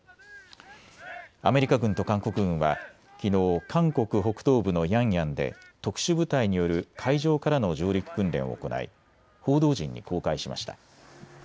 アメリカ軍と韓国軍はきのう、韓国北東部のヤンヤンで特殊部隊による海上からの上陸訓練を行い報道陣に公開しました。